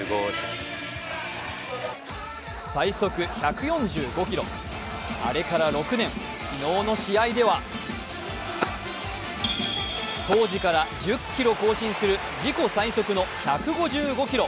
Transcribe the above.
最速１４５キロ、あれから６年、昨日の試合では当時から１０キロ更新する自己最速の１５５キロ。